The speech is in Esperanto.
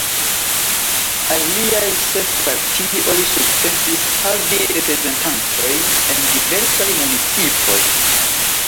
Aliaj ses partioj sukcesis havi reprezentantojn en diversaj municipoj.